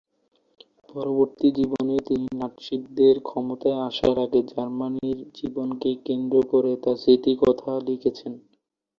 পরবর্তী জীবনে তিনি নাৎসিদের ক্ষমতায় আসার আগে জার্মানির জীবনকে কেন্দ্র করে তার স্মৃতিকথা লিখেছিলেন।